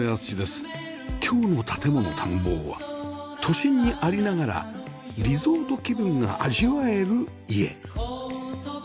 今日の『建もの探訪』は都心にありながらリゾート気分が味わえる家